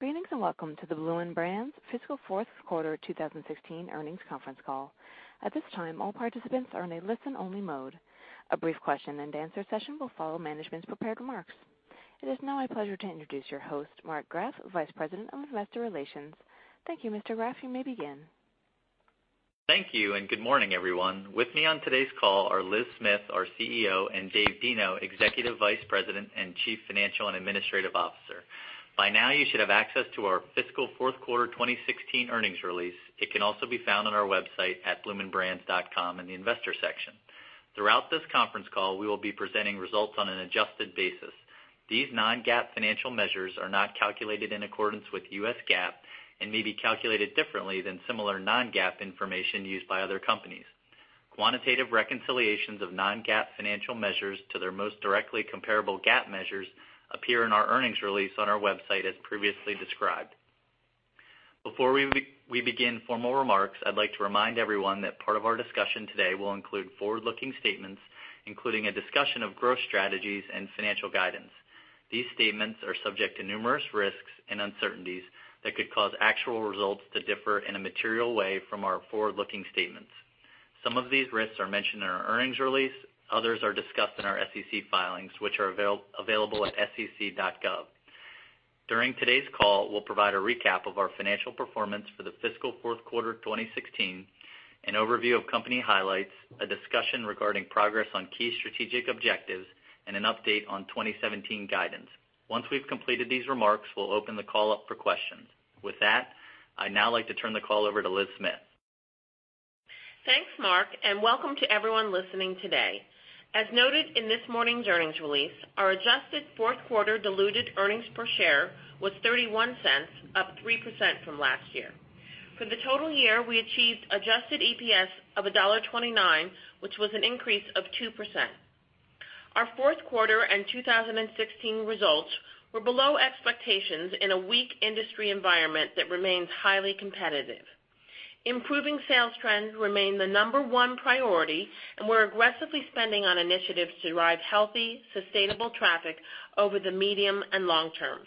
Greetings, welcome to the Bloomin' Brands fiscal fourth quarter 2016 earnings conference call. At this time, all participants are in a listen-only mode. A brief question and answer session will follow management's prepared remarks. It is now my pleasure to introduce your host, Mark Graff, Vice President of Investor Relations. Thank you, Mr. Graff. You may begin. Thank you, good morning, everyone. With me on today's call are Liz Smith, our CEO, and David Deno, Executive Vice President and Chief Financial and Administrative Officer. By now you should have access to our fiscal fourth quarter 2016 earnings release. It can also be found on our website at bloominbrands.com in the investor section. Throughout this conference call, we will be presenting results on an adjusted basis. These non-GAAP financial measures are not calculated in accordance with U.S. GAAP and may be calculated differently than similar non-GAAP information used by other companies. Quantitative reconciliations of non-GAAP financial measures to their most directly comparable GAAP measures appear in our earnings release on our website as previously described. Before we begin formal remarks, I'd like to remind everyone that part of our discussion today will include forward-looking statements, including a discussion of growth strategies and financial guidance. These statements are subject to numerous risks and uncertainties that could cause actual results to differ in a material way from our forward-looking statements. Some of these risks are mentioned in our earnings release. Others are discussed in our SEC filings, which are available at sec.gov. During today's call, we'll provide a recap of our financial performance for the fiscal fourth quarter 2016, an overview of company highlights, a discussion regarding progress on key strategic objectives, and an update on 2017 guidance. Once we've completed these remarks, we'll open the call up for questions. With that, I'd now like to turn the call over to Liz Smith. Thanks, Mark, welcome to everyone listening today. As noted in this morning's earnings release, our adjusted fourth quarter diluted EPS was $0.31, up 3% from last year. For the total year, we achieved adjusted EPS of $1.29, which was an increase of 2%. Our fourth quarter and 2016 results were below expectations in a weak industry environment that remains highly competitive. Improving sales trends remain the number 1 priority, and we're aggressively spending on initiatives to drive healthy, sustainable traffic over the medium and long term.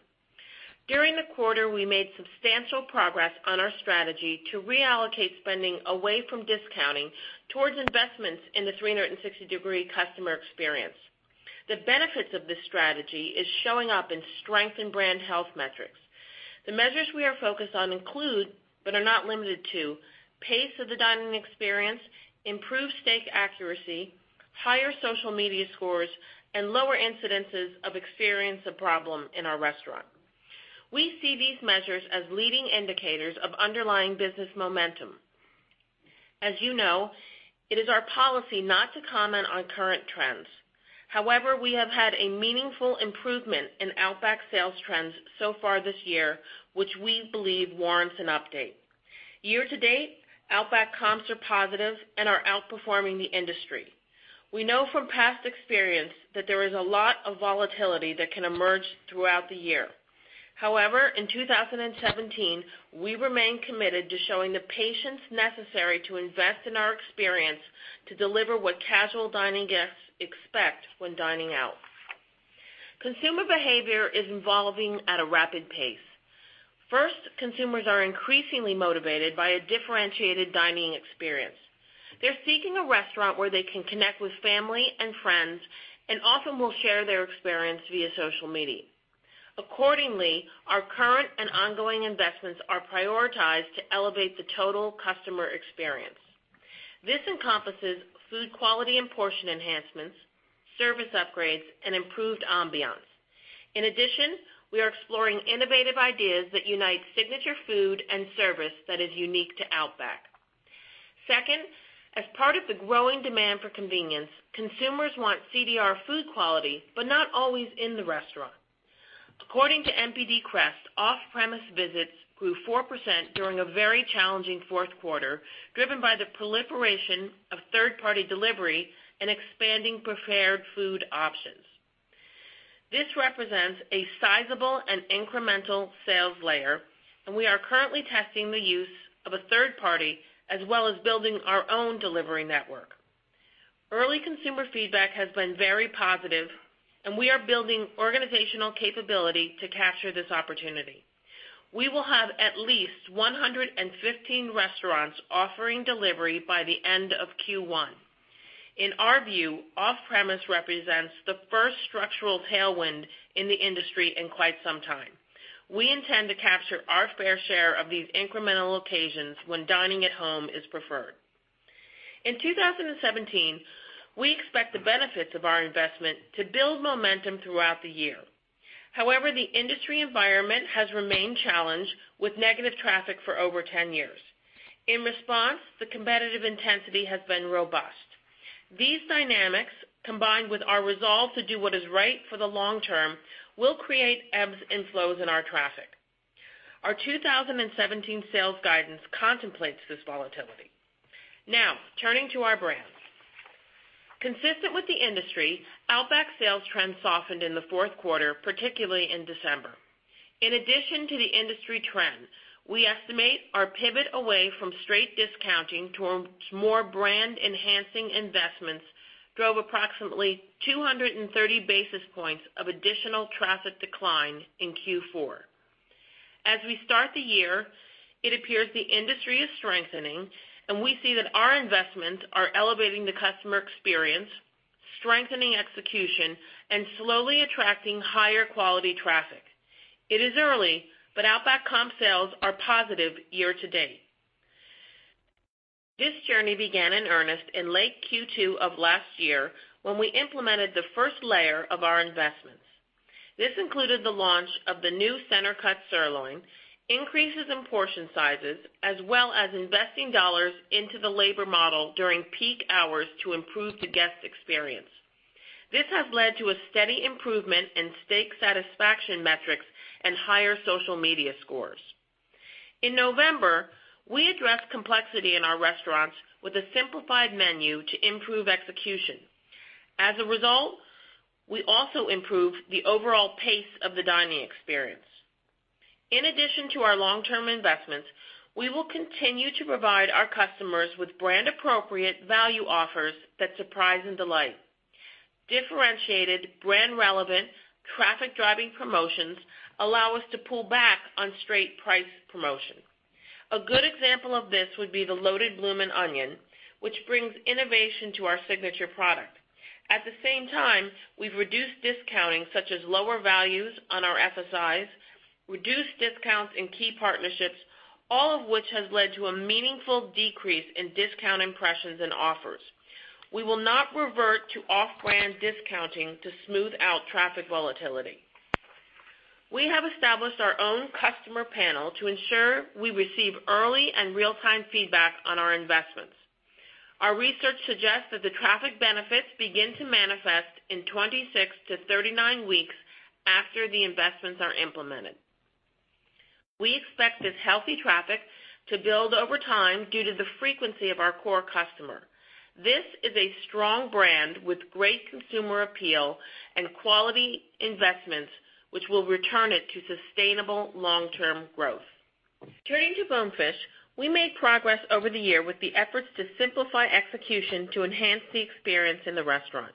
During the quarter, we made substantial progress on our strategy to reallocate spending away from discounting towards investments in the 360-degree customer experience. The benefits of this strategy is showing up in strengthened brand health metrics. The measures we are focused on include, but are not limited to, pace of the dining experience, improved steak accuracy, higher social media scores, and lower incidences of problems in our restaurant. We see these measures as leading indicators of underlying business momentum. As you know, it is our policy not to comment on current trends. However, we have had a meaningful improvement in Outback sales trends so far this year, which we believe warrants an update. Year-to-date, Outback comps are positive and are outperforming the industry. We know from past experience that there is a lot of volatility that can emerge throughout the year. However, in 2017, we remain committed to showing the patience necessary to invest in our experience to deliver what casual dining guests expect when dining out. Consumer behavior is evolving at a rapid pace. First, consumers are increasingly motivated by a differentiated dining experience. They're seeking a restaurant where they can connect with family and friends and often will share their experience via social media. Accordingly, our current and ongoing investments are prioritized to elevate the total customer experience. This encompasses food quality and portion enhancements, service upgrades, and improved ambiance. In addition, we are exploring innovative ideas that unite signature food and service that is unique to Outback. Second, as part of the growing demand for convenience, consumers want CDR food quality, but not always in the restaurant. According to NPD CREST, off-premise visits grew 4% during a very challenging fourth quarter, driven by the proliferation of third-party delivery and expanding prepared food options. This represents a sizable and incremental sales layer, and we are currently testing the use of a third party, as well as building our own delivery network. Early consumer feedback has been very positive, and we are building organizational capability to capture this opportunity. We will have at least 115 restaurants offering delivery by the end of Q1. In our view, off-premise represents the first structural tailwind in the industry in quite some time. We intend to capture our fair share of these incremental occasions when dining at home is preferred. In 2017, we expect the benefits of our investment to build momentum throughout the year. However, the industry environment has remained challenged with negative traffic for over 10 years. In response, the competitive intensity has been robust. These dynamics, combined with our resolve to do what is right for the long term, will create ebbs and flows in our traffic. Our 2017 sales guidance contemplates this volatility. Now, turning to our brands. Consistent with the industry, Outback sales trends softened in the fourth quarter, particularly in December. In addition to the industry trends, we estimate our pivot away from straight discounting towards more brand-enhancing investments drove approximately 230 basis points of additional traffic decline in Q4. As we start the year, it appears the industry is strengthening, and we see that our investments are elevating the customer experience, strengthening execution, and slowly attracting higher quality traffic. It is early, but Outback comp sales are positive year-to-date. This journey began in earnest in late Q2 of last year when we implemented the first layer of our investments. This included the launch of the new Center-Cut Sirloin, increases in portion sizes, as well as investing dollars into the labor model during peak hours to improve the guest experience. This has led to a steady improvement in steak satisfaction metrics and higher social media scores. In November, we addressed complexity in our restaurants with a simplified menu to improve execution. As a result, we also improved the overall pace of the dining experience. In addition to our long-term investments, we will continue to provide our customers with brand appropriate value offers that surprise and delight. Differentiated, brand relevant, traffic-driving promotions allow us to pull back on straight price promotion. A good example of this would be the Loaded Bloomin' Onion, which brings innovation to our signature product. At the same time, we've reduced discounting, such as lower values on our FSIs, reduced discounts in key partnerships, all of which has led to a meaningful decrease in discount impressions and offers. We will not revert to off-brand discounting to smooth out traffic volatility. We have established our own customer panel to ensure we receive early and real-time feedback on our investments. Our research suggests that the traffic benefits begin to manifest in 26 to 39 weeks after the investments are implemented. We expect this healthy traffic to build over time due to the frequency of our core customer. This is a strong brand with great consumer appeal and quality investments, which will return it to sustainable long-term growth. Turning to Bonefish, we made progress over the year with the efforts to simplify execution to enhance the experience in the restaurant.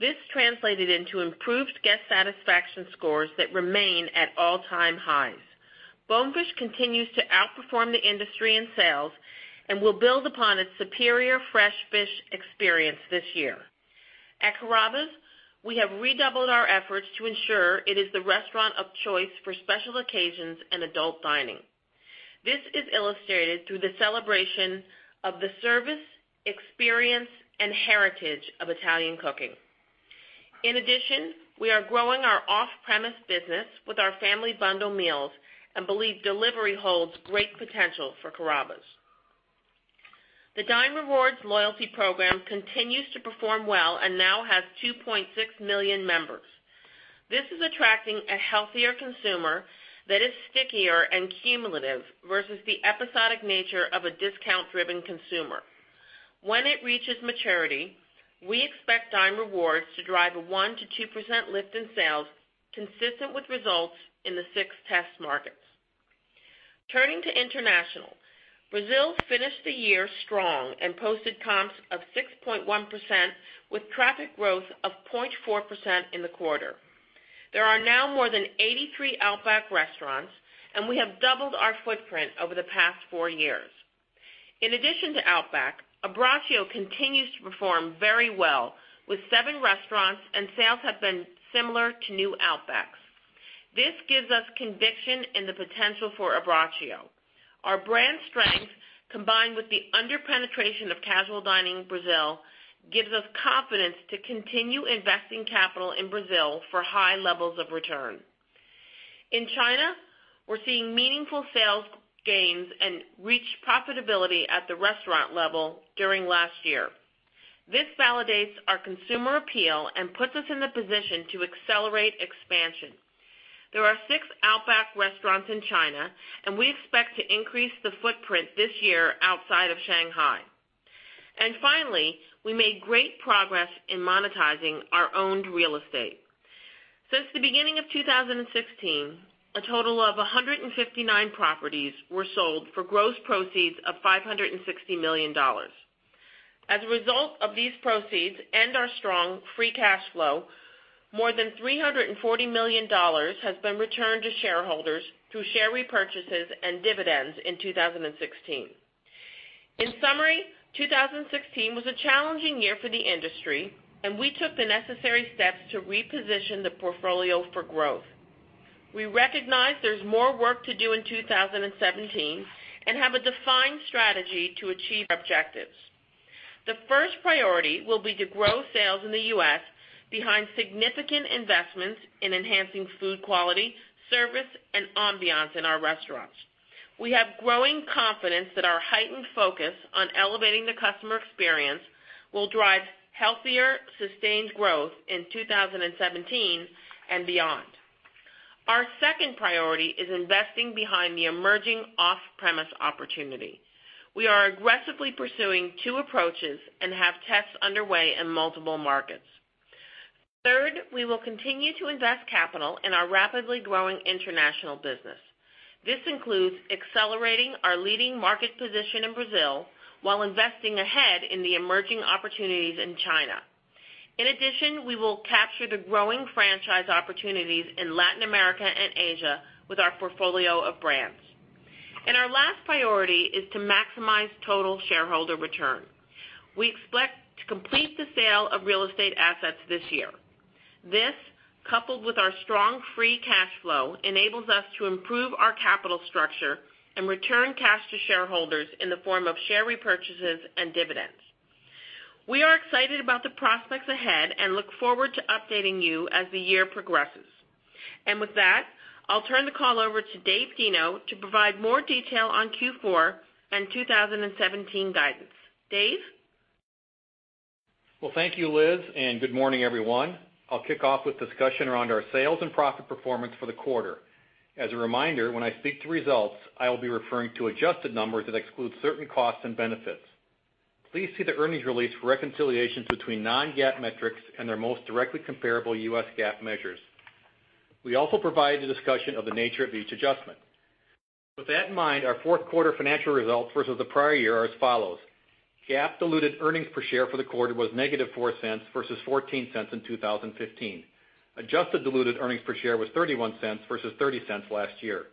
This translated into improved guest satisfaction scores that remain at all-time highs. Bonefish continues to outperform the industry in sales and will build upon its superior fresh fish experience this year. At Carrabba's, we have redoubled our efforts to ensure it is the restaurant of choice for special occasions and adult dining. This is illustrated through the celebration of the service, experience, and heritage of Italian cooking. We are growing our off-premise business with our family bundle meals and believe delivery holds great potential for Carrabba's. The Dine Rewards loyalty program continues to perform well and now has 2.6 million members. This is attracting a healthier consumer that is stickier and cumulative versus the episodic nature of a discount-driven consumer. When it reaches maturity, we expect Dine Rewards to drive a 1%-2% lift in sales consistent with results in the six test markets. Turning to international, Brazil finished the year strong and posted comps of 6.1% with traffic growth of 0.4% in the quarter. There are now more than 83 Outback restaurants, and we have doubled our footprint over the past four years. In addition to Outback, Abbraccio continues to perform very well with seven restaurants, and sales have been similar to new Outbacks. This gives us conviction in the potential for Abbraccio. Our brand strength, combined with the under-penetration of casual dining in Brazil, gives us confidence to continue investing capital in Brazil for high levels of return. In China, we're seeing meaningful sales gains and reached profitability at the restaurant level during last year. This validates our consumer appeal and puts us in the position to accelerate expansion. There are six Outback restaurants in China, and we expect to increase the footprint this year outside of Shanghai. Finally, we made great progress in monetizing our owned real estate. Since the beginning of 2016, a total of 159 properties were sold for gross proceeds of $560 million. As a result of these proceeds and our strong free cash flow, more than $340 million has been returned to shareholders through share repurchases and dividends in 2016. In summary, 2016 was a challenging year for the industry, and we took the necessary steps to reposition the portfolio for growth. We recognize there's more work to do in 2017 and have a defined strategy to achieve our objectives. The first priority will be to grow sales in the U.S. behind significant investments in enhancing food quality, service, and ambiance in our restaurants. We have growing confidence that our heightened focus on elevating the customer experience will drive healthier, sustained growth in 2017 and beyond. Our second priority is investing behind the emerging off-premise opportunity. We are aggressively pursuing two approaches and have tests underway in multiple markets. Third, we will continue to invest capital in our rapidly growing international business. This includes accelerating our leading market position in Brazil while investing ahead in the emerging opportunities in China. In addition, we will capture the growing franchise opportunities in Latin America and Asia with our portfolio of brands. Our last priority is to maximize total shareholder return. We expect to complete the sale of real estate assets this year. This, coupled with our strong free cash flow, enables us to improve our capital structure and return cash to shareholders in the form of share repurchases and dividends. We are excited about the prospects ahead and look forward to updating you as the year progresses. With that, I'll turn the call over to Dave Deno to provide more detail on Q4 and 2017 guidance. Dave? Well, thank you, Liz, and good morning, everyone. I'll kick off with discussion around our sales and profit performance for the quarter. As a reminder, when I speak to results, I will be referring to adjusted numbers that exclude certain costs and benefits. Please see the earnings release for reconciliations between non-GAAP metrics and their most directly comparable U.S. GAAP measures. We also provide the discussion of the nature of each adjustment. With that in mind, our fourth quarter financial results versus the prior year are as follows. GAAP diluted earnings per share for the quarter was -$0.04 versus $0.14 in 2015. Adjusted diluted earnings per share was $0.31 versus $0.30 last year.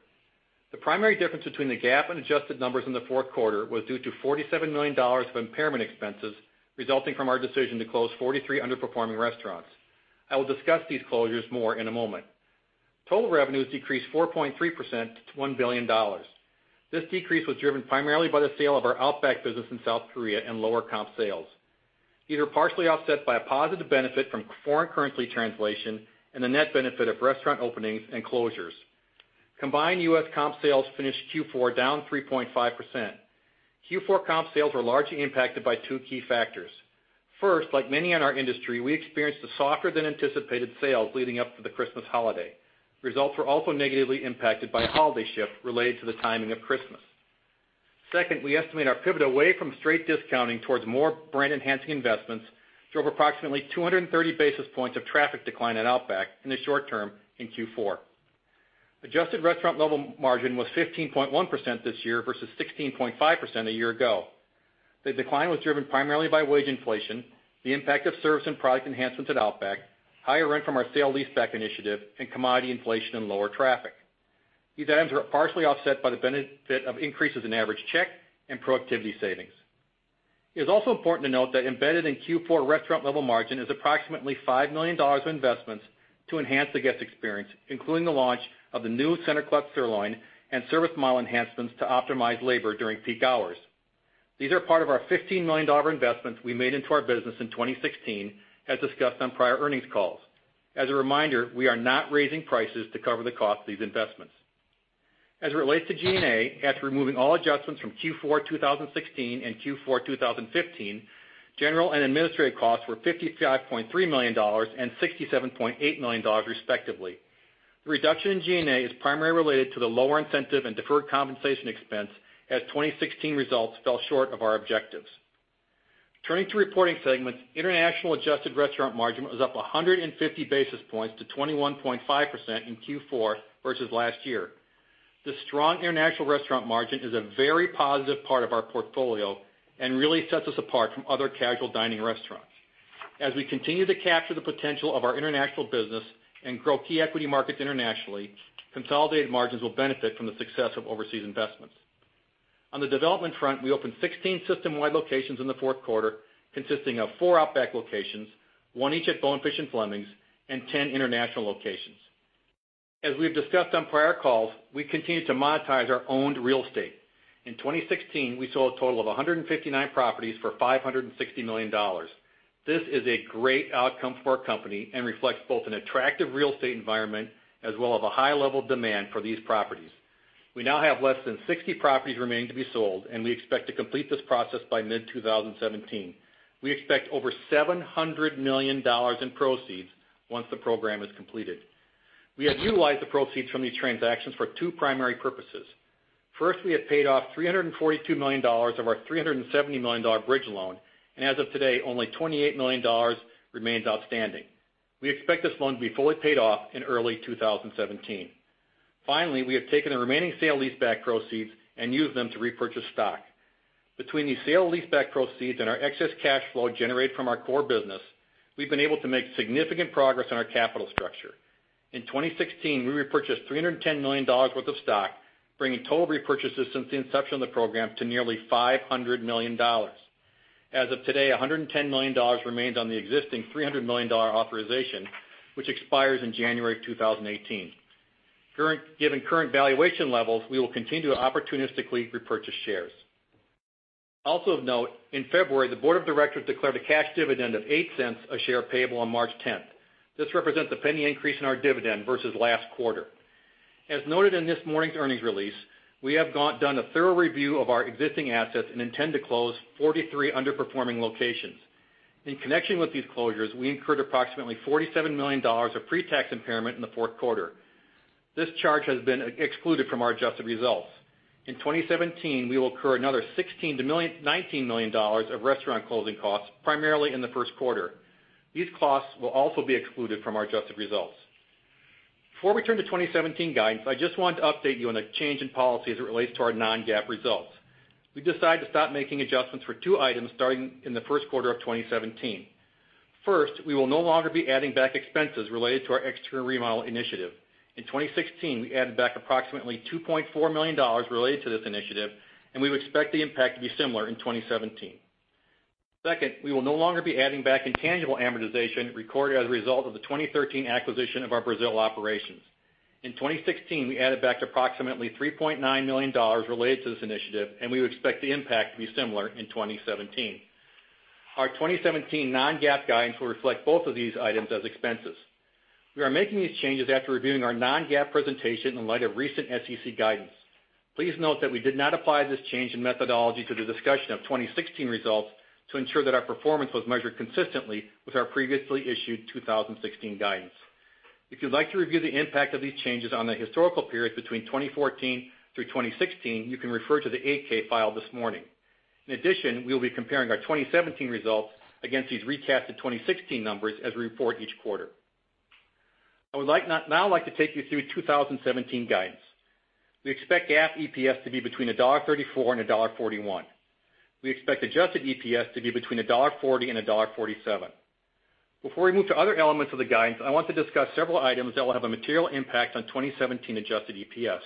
The primary difference between the GAAP and adjusted numbers in the fourth quarter was due to $47 million of impairment expenses resulting from our decision to close 43 underperforming restaurants. I will discuss these closures more in a moment. Total revenues decreased 4.3% to $1 billion. This decrease was driven primarily by the sale of our Outback business in South Korea and lower comp sales, either partially offset by a positive benefit from foreign currency translation and the net benefit of restaurant openings and closures. Combined U.S. comp sales finished Q4 down 3.5%. Q4 comp sales were largely impacted by two key factors. First, like many in our industry, we experienced a softer-than-anticipated sales leading up to the Christmas holiday. Results were also negatively impacted by a holiday shift related to the timing of Christmas. Second, we estimate our pivot away from straight discounting towards more brand-enhancing investments drove approximately 230 basis points of traffic decline at Outback in the short term in Q4. Adjusted restaurant level margin was 15.1% this year versus 16.5% a year ago. The decline was driven primarily by wage inflation, the impact of service and product enhancements at Outback, higher rent from our sale-leaseback initiative, and commodity inflation and lower traffic. These items are partially offset by the benefit of increases in average check and productivity savings. It is also important to note that embedded in Q4 restaurant level margin is approximately $5 million of investments to enhance the guest experience, including the launch of the new Center-Cut Sirloin and service model enhancements to optimize labor during peak hours. These are part of our $15 million investments we made into our business in 2016, as discussed on prior earnings calls. As a reminder, we are not raising prices to cover the cost of these investments. As it relates to G&A, after removing all adjustments from Q4 2016 and Q4 2015, general and administrative costs were $55.3 million and $67.8 million, respectively. The reduction in G&A is primarily related to the lower incentive and deferred compensation expense, as 2016 results fell short of our objectives. Turning to reporting segments, international adjusted restaurant margin was up 150 basis points to 21.5% in Q4 versus last year. The strong international restaurant margin is a very positive part of our portfolio and really sets us apart from other casual dining restaurants. As we continue to capture the potential of our international business and grow key equity markets internationally, consolidated margins will benefit from the success of overseas investments. On the development front, we opened 16 system-wide locations in the fourth quarter, consisting of four Outback locations, one each at Bonefish and Fleming's, and 10 international locations. As we've discussed on prior calls, we continue to monetize our owned real estate. In 2016, we sold a total of 159 properties for $560 million. This is a great outcome for our company and reflects both an attractive real estate environment as well as a high level of demand for these properties. We now have less than 60 properties remaining to be sold, and we expect to complete this process by mid-2017. We expect over $700 million in proceeds once the program is completed. We have utilized the proceeds from these transactions for two primary purposes. First, we have paid off $342 million of our $370 million bridge loan, and as of today, only $28 million remains outstanding. We expect this loan to be fully paid off in early 2017. Finally, we have taken the remaining sale leaseback proceeds and used them to repurchase stock. Between these sale leaseback proceeds and our excess cash flow generated from our core business, we've been able to make significant progress on our capital structure. In 2016, we repurchased $310 million worth of stock, bringing total repurchases since the inception of the program to nearly $500 million. As of today, $110 million remains on the existing $300 million authorization, which expires in January 2018. Given current valuation levels, we will continue to opportunistically repurchase shares. Also of note, in February, the board of directors declared a cash dividend of $0.08 a share payable on March 10th. This represents a $0.01 increase in our dividend versus last quarter. As noted in this morning's earnings release, we have done a thorough review of our existing assets and intend to close 43 underperforming locations. In connection with these closures we incurred approximately $47 million of pre-tax impairment in the fourth quarter. This charge has been excluded from our adjusted results. In 2017, we will incur another $16 million-$19 million of restaurant closing costs, primarily in the first quarter. These costs will also be excluded from our adjusted results. Before we turn to 2017 guidance, I just wanted to update you on a change in policy as it relates to our non-GAAP results. We've decided to stop making adjustments for two items starting in the first quarter of 2017. First, we will no longer be adding back expenses related to our Exterior Remodel Initiative. In 2016, we added back approximately $2.4 million related to this initiative, and we would expect the impact to be similar in 2017. Second, we will no longer be adding back intangible amortization recorded as a result of the 2013 acquisition of our Brazil operations. In 2016, we added back approximately $3.9 million related to this initiative, and we would expect the impact to be similar in 2017. Our 2017 non-GAAP guidance will reflect both of these items as expenses. We are making these changes after reviewing our non-GAAP presentation in light of recent SEC guidance. Please note that we did not apply this change in methodology to the discussion of 2016 results to ensure that our performance was measured consistently with our previously issued 2016 guidance. If you'd like to review the impact of these changes on the historical period between 2014 through 2016, you can refer to the 8-K filed this morning. In addition, we will be comparing our 2017 results against these recasted 2016 numbers as we report each quarter. I would now like to take you through 2017 guidance. We expect GAAP EPS to be between $1.34 and $1.41. We expect adjusted EPS to be between $1.40 and $1.47. Before we move to other elements of the guidance, I want to discuss several items that will have a material impact on 2017 adjusted EPS.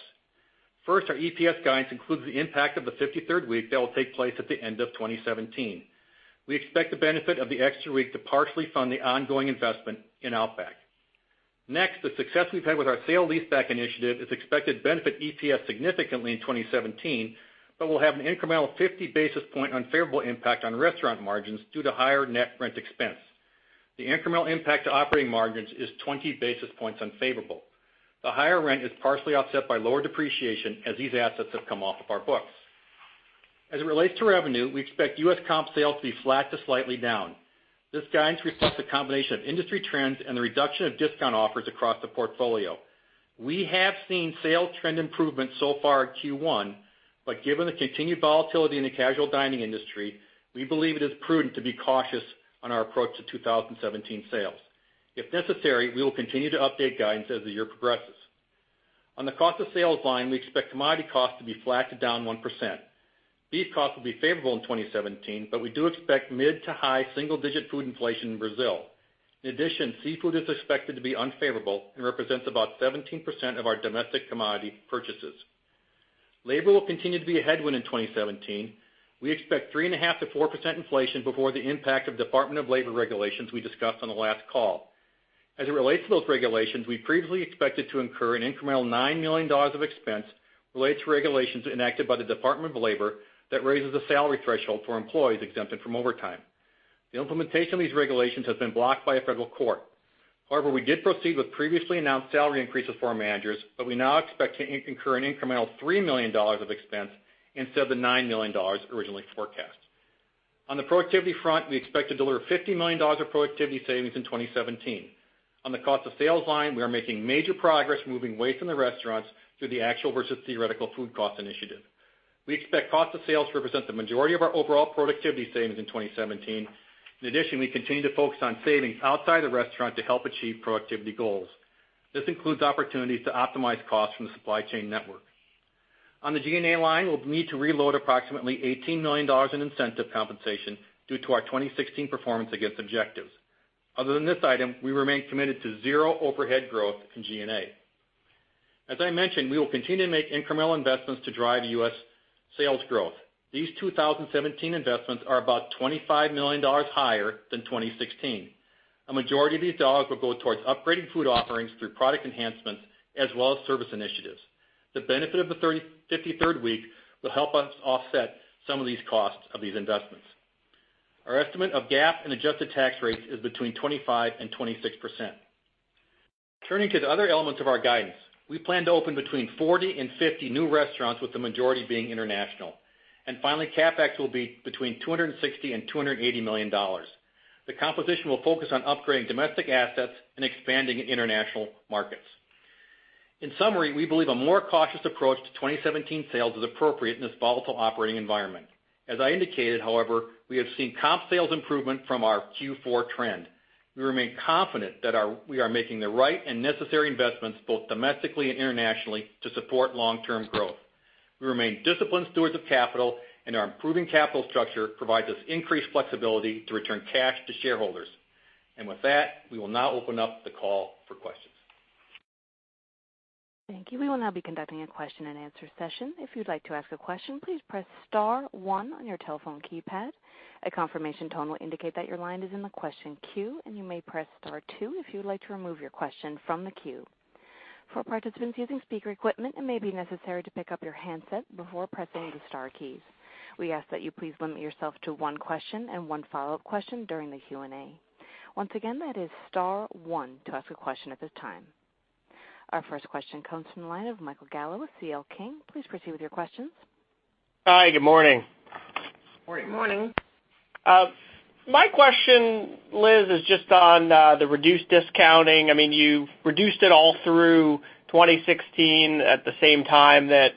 First, our EPS guidance includes the impact of the 53rd week that will take place at the end of 2017. We expect the benefit of the extra week to partially fund the ongoing investment in Outback. Next, the success we've had with our Sale Leaseback Initiative is expected to benefit EPS significantly in 2017, but will have an incremental 50 basis point unfavorable impact on restaurant margins due to higher net rent expense. The incremental impact to operating margins is 20 basis points unfavorable. The higher rent is partially offset by lower depreciation as these assets have come off of our books. As it relates to revenue, we expect U.S. comp sales to be flat to slightly down. This guidance reflects a combination of industry trends and the reduction of discount offers across the portfolio. We have seen sales trend improvements so far in Q1, but given the continued volatility in the casual dining industry, we believe it is prudent to be cautious on our approach to 2017 sales. If necessary, we will continue to update guidance as the year progresses. On the cost of sales line, we expect commodity costs to be flat to down 1%. Beef costs will be favorable in 2017, but we do expect mid to high single digit food inflation in Brazil. In addition, seafood is expected to be unfavorable and represents about 17% of our domestic commodity purchases. Labor will continue to be a headwind in 2017. We expect 3.5%-4% inflation before the impact of Department of Labor regulations we discussed on the last call. As it relates to those regulations, we previously expected to incur an incremental $9 million of expense related to regulations enacted by the Department of Labor that raises the salary threshold for employees exempted from overtime. The implementation of these regulations has been blocked by a federal court. However, we did proceed with previously announced salary increases for our managers, but we now expect to incur an incremental $3 million of expense instead of the $9 million originally forecast. On the productivity front, we expect to deliver $50 million of productivity savings in 2017. On the cost of sales line, we are making major progress moving weight in the restaurants through the actual versus theoretical food cost initiative. We expect cost of sales to represent the majority of our overall productivity savings in 2017. In addition, we continue to focus on savings outside the restaurant to help achieve productivity goals. This includes opportunities to optimize costs from the supply chain network. On the G&A line, we'll need to reload approximately $18 million in incentive compensation due to our 2016 performance against objectives. Other than this item, we remain committed to zero overhead growth in G&A. As I mentioned, we will continue to make incremental investments to drive U.S. sales growth. These 2017 investments are about $25 million higher than 2016. A majority of these dollars will go towards upgrading food offerings through product enhancements as well as service initiatives. The benefit of the 53rd week will help us offset some of these costs of these investments. Our estimate of GAAP and adjusted tax rates is between 25%-26%. Turning to the other elements of our guidance, we plan to open between 40 and 50 new restaurants, with the majority being international. Finally, CapEx will be between $260 million and $280 million. The composition will focus on upgrading domestic assets and expanding in international markets. In summary, we believe a more cautious approach to 2017 sales is appropriate in this volatile operating environment. As I indicated, however, we have seen comp sales improvement from our Q4 trend. We remain confident that we are making the right and necessary investments, both domestically and internationally, to support long-term growth. We remain disciplined stewards of capital, and our improving capital structure provides us increased flexibility to return cash to shareholders. With that, we will now open up the call for questions. Thank you. We will now be conducting a question and answer session. If you'd like to ask a question, please press *1 on your telephone keypad. A confirmation tone will indicate that your line is in the question queue, and you may press *2 if you would like to remove your question from the queue. For participants using speaker equipment, it may be necessary to pick up your handset before pressing the star keys. We ask that you please limit yourself to one question and one follow-up question during the Q&A. Once again, that is *1 to ask a question at this time. Our first question comes from the line of Michael Gallo with C.L. King. Please proceed with your questions. Hi, good morning. Morning. Morning. My question, Liz, is just on the reduced discounting. You've reduced it all through 2016 at the same time that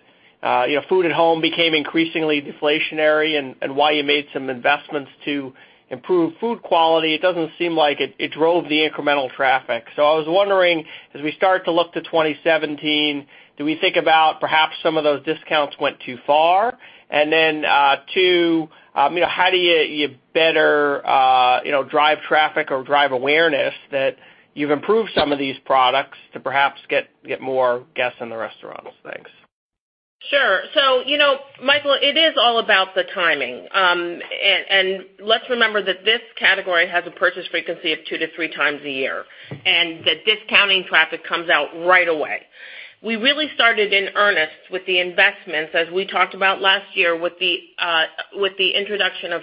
food at home became increasingly deflationary and while you made some investments to improve food quality, it doesn't seem like it drove the incremental traffic. I was wondering, as we start to look to 2017, do we think about perhaps some of those discounts went too far? Two, how do you better drive traffic or drive awareness that you've improved some of these products to perhaps get more guests in the restaurants? Thanks. Sure. Michael, it is all about the timing. Let's remember that this category has a purchase frequency of two to three times a year, and the discounting traffic comes out right away. We really started in earnest with the investments, as we talked about last year, with the introduction of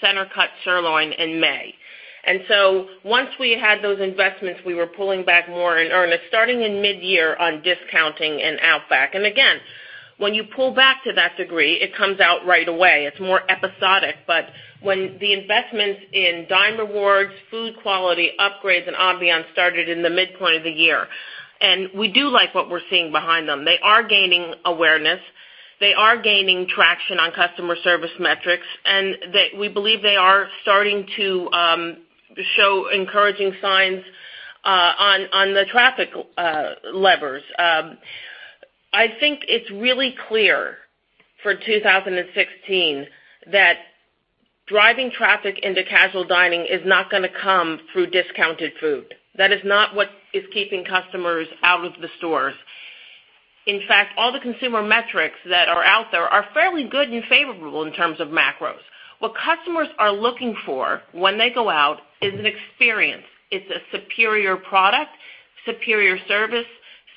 Center-Cut Sirloin in May. Once we had those investments, we were pulling back more in earnest, starting in mid-year on discounting and Outback. Again, when you pull back to that degree, it comes out right away. It's more episodic. When the investments in Dine Rewards, food quality upgrades, and ambiance started in the midpoint of the year, we do like what we're seeing behind them. They are gaining awareness. They are gaining traction on customer service metrics, and we believe they are starting to show encouraging signs on the traffic levers. I think it's really clear for 2016 that driving traffic into casual dining is not going to come through discounted food. That is not what is keeping customers out of the stores. In fact, all the consumer metrics that are out there are fairly good and favorable in terms of macros. What customers are looking for when they go out is an experience. It's a superior product, superior service,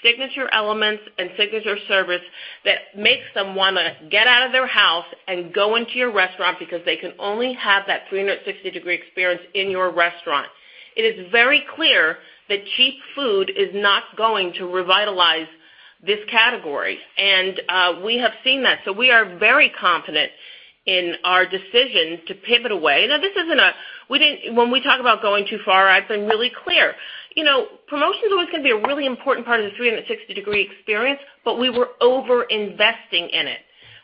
signature elements, and signature service that makes them want to get out of their house and go into your restaurant because they can only have that 360-degree experience in your restaurant. It is very clear that cheap food is not going to revitalize this category. We have seen that. We are very confident in our decision to pivot away. Now, when we talk about going too far, I've been really clear. Promotions are always going to be a really important part of the 360-degree experience, but we were over-investing in it.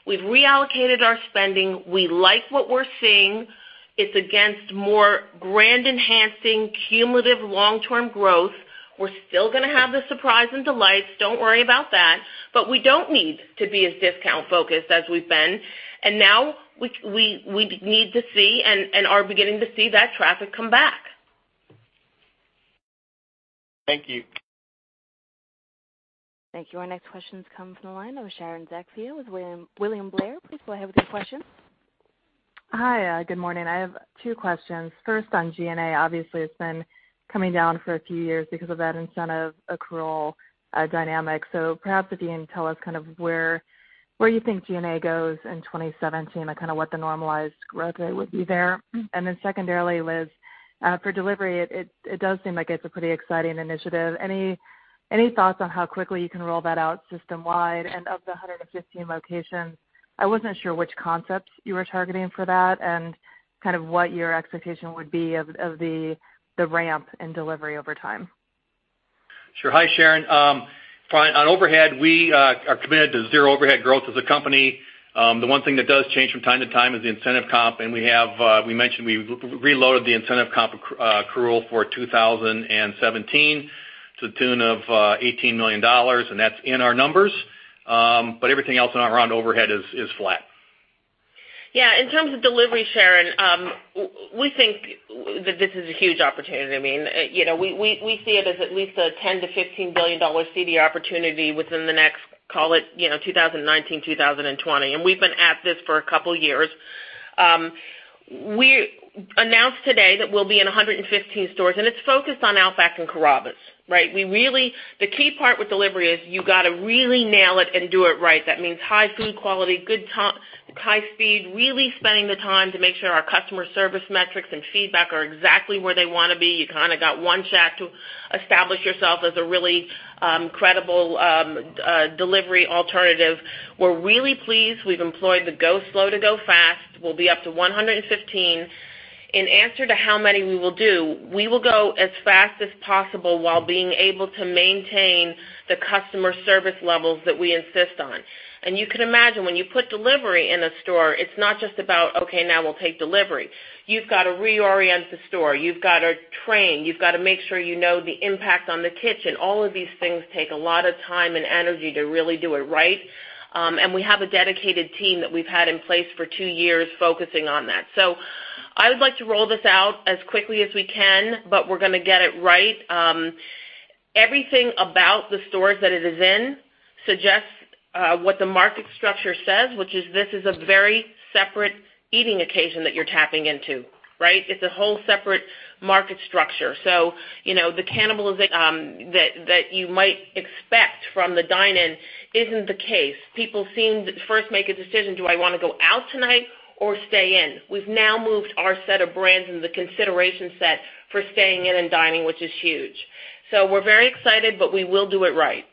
We've reallocated our spending. We like what we're seeing. It's against more brand-enhancing, cumulative long-term growth. We're still going to have the surprise and delights. Don't worry about that. We don't need to be as discount-focused as we've been. Now we need to see and are beginning to see that traffic come back. Thank you. Thank you. Our next question comes from the line of Sharon Zackfia with William Blair. Please go ahead with your question. Hi. Good morning. I have two questions. First, on G&A. Obviously, it's been coming down for a few years because of that incentive accrual dynamic. Perhaps if you can tell us where you think G&A goes in 2017 and what the normalized growth rate would be there. Then secondarily, Liz, for delivery, it does seem like it's a pretty exciting initiative. Any thoughts on how quickly you can roll that out system-wide? Of the 115 locations, I wasn't sure which concepts you were targeting for that, and what your expectation would be of the ramp in delivery over time. Sure. Hi, Sharon. On overhead, we are committed to zero overhead growth as a company. The one thing that does change from time to time is the incentive comp, and we mentioned we reloaded the incentive comp accrual for 2017 to the tune of $18 million, and that's in our numbers. Everything else around overhead is flat. In terms of delivery, Sharon, we think that this is a huge opportunity. We see it as at least a $10 billion-$15 billion CD opportunity within the next, call it 2019, 2020. We've been at this for a couple of years. We announced today that we'll be in 115 stores, and it's focused on Outback and Carrabba's. The key part with delivery is you got to really nail it and do it right. That means high food quality, high speed, really spending the time to make sure our customer service metrics and feedback are exactly where they want to be. You kind of got one shot to establish yourself as a really credible delivery alternative. We're really pleased we've employed the go slow to go fast. We'll be up to 115. In answer to how many we will do, we will go as fast as possible while being able to maintain the customer service levels that we insist on. You can imagine when you put delivery in a store, it's not just about, "Okay, now we'll take delivery." You've got to reorient the store. You've got to train. You've got to make sure you know the impact on the kitchen. All of these things take a lot of time and energy to really do it right. We have a dedicated team that we've had in place for two years focusing on that. I would like to roll this out as quickly as we can, we're going to get it right. Everything about the stores that it is in suggests what the market structure says, which is this is a very separate eating occasion that you're tapping into. It's a whole separate market structure. The cannibalism that you might expect from the dine-in isn't the case. People seem to first make a decision, "Do I want to go out tonight or stay in?" We've now moved our set of brands in the consideration set for staying in and dining, which is huge. We're very excited, we will do it right.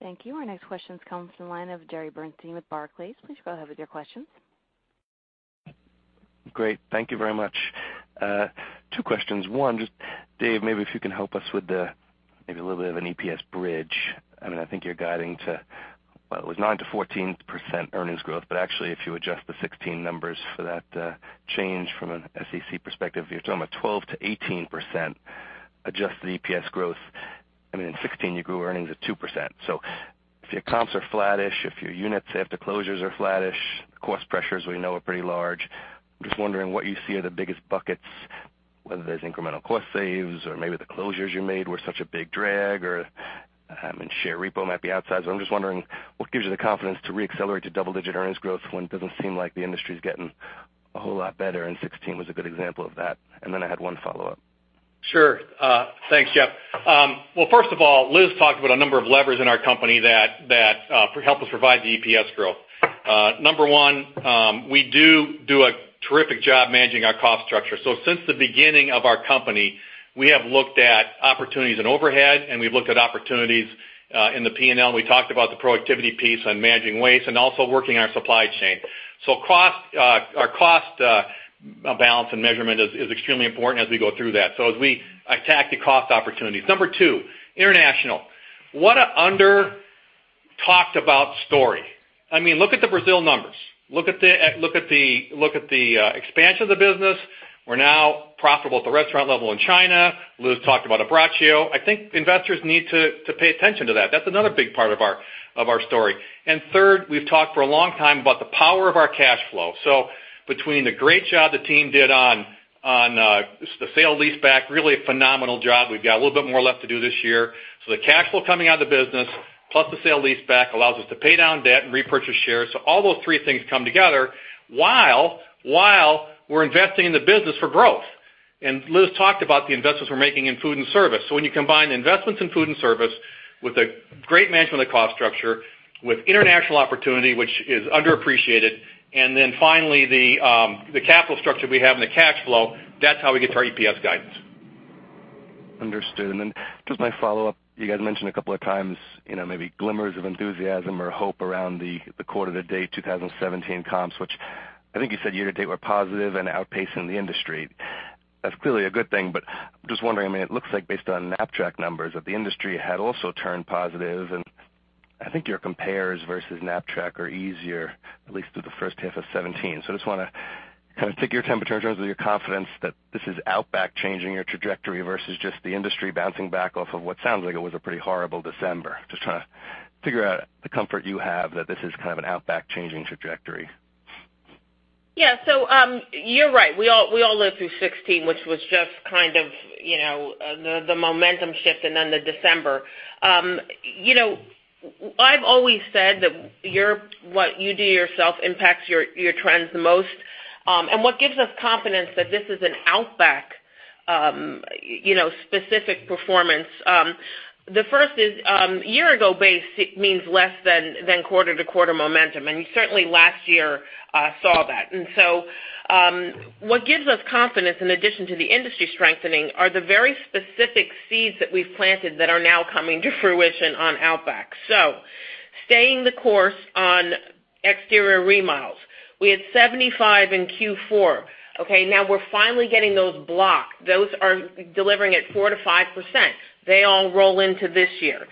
Thank you. Our next question comes from the line of Jeffrey Bernstein with Barclays. Please go ahead with your questions. Great. Thank you very much. Two questions. One, just Dave, maybe if you can help us with maybe a little bit of an EPS bridge. I think you're guiding to, well, it was 9%-14% earnings growth, but actually, if you adjust the 2016 numbers for that change from an SEC perspective, you're talking about 12%-18% adjusted EPS growth. In 2016, you grew earnings at 2%. If your comps are flattish, if your units after closures are flattish, cost pressures we know are pretty large, I'm just wondering what you see are the biggest buckets, whether there's incremental cost saves or maybe the closures you made were such a big drag, or share repo might be outside. I'm just wondering what gives you the confidence to re-accelerate to double-digit earnings growth when it doesn't seem like the industry's getting a whole lot better, and 2016 was a good example of that. Then I had one follow-up. Sure. Thanks, Jeff. Well, first of all, Liz talked about a number of levers in our company that help us provide the EPS growth. Number one, we do a terrific job managing our cost structure. Since the beginning of our company, we have looked at opportunities in overhead, we've looked at opportunities in the P&L, and we talked about the productivity piece on managing waste and also working our supply chain. Our cost balance and measurement is extremely important as we go through that. As we attack the cost opportunities. Number two, international. What an under-talked about story. Look at the Brazil numbers. Look at the expansion of the business. We're now profitable at the restaurant level in China. Liz talked about Abbraccio. I think investors need to pay attention to that. That's another big part of our story. Third, we've talked for a long time about the power of our cash flow. Between the great job the team did on the sale-leaseback, really a phenomenal job. We've got a little bit more left to do this year. The cash flow coming out of the business, plus the sale-leaseback allows us to pay down debt and repurchase shares. All those three things come together while we're investing in the business for growth. Liz talked about the investments we're making in food and service. When you combine the investments in food and service with the great management of the cost structure, with international opportunity, which is underappreciated, then finally, the capital structure we have in the cash flow, that's how we get to our EPS guidance. Understood. Just my follow-up, you guys mentioned a couple of times, maybe glimmers of enthusiasm or hope around the quarter to date 2017 comps, which I think you said year to date were positive and outpacing the industry. That's clearly a good thing, but I'm just wondering, it looks like based on Knapp-Track numbers, that the industry had also turned positive, and I think your compares versus Knapp-Track are easier, at least through the first half of 2017. I just want to kind of take your temperature in terms of your confidence that this is Outback changing your trajectory versus just the industry bouncing back off of what sounds like it was a pretty horrible December. Just trying to figure out the comfort you have that this is kind of an Outback changing trajectory. You're right. We all lived through 2016, which was just kind of the momentum shift and then the December. I've always said that what you do yourself impacts your trends the most. What gives us confidence that this is an Outback specific performance, the first is year ago basic means less than quarter-to-quarter momentum, and you certainly last year saw that. What gives us confidence in addition to the industry strengthening are the very specific seeds that we've planted that are now coming to fruition on Outback. Staying the course on exterior remodels. We had 75 in Q4. Now we're finally getting those blocked. Those are delivering at 4%-5%. They all roll into this year.